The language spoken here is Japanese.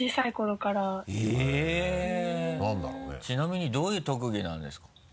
ちなみにどういう特技なんですか？